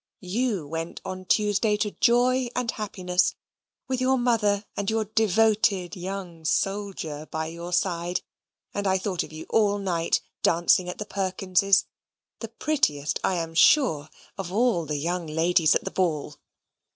YOU went on Tuesday to joy and happiness, with your mother and YOUR DEVOTED YOUNG SOLDIER by your side; and I thought of you all night, dancing at the Perkins's, the prettiest, I am sure, of all the young ladies at the Ball.